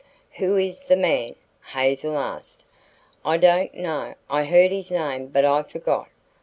"Who is the man?" Hazel asked. "I don't know. I heard his name, but I forgot."